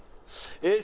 えっ？